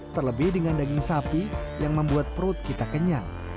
terlebih dengan daging sapi yang membuat perut kita kenyang